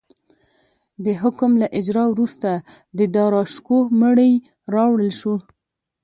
د حکم له اجرا وروسته د داراشکوه مړی راوړل شو.